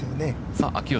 さあ秋吉。